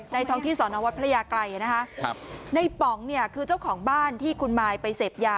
ท้องที่สอนอวัดพระยาไกรนะคะครับในป๋องเนี่ยคือเจ้าของบ้านที่คุณมายไปเสพยา